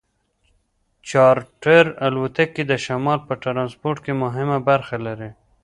چارټر الوتکې د شمال په ټرانسپورټ کې مهمه برخه لري